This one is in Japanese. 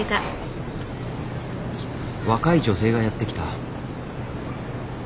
若い女性がやって来た。